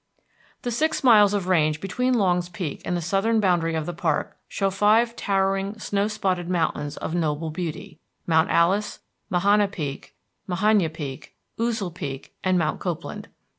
The six miles of range between Longs Peak and the southern boundary of the park show five towering snow spotted mountains of noble beauty, Mount Alice, Tanima Peak, Mahana Peak, Ouzel Peak, and Mount Copeland.